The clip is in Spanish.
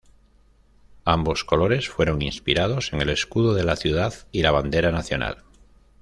Ambos colores fueron inspirados en el escudo de la ciudad y la bandera nacional.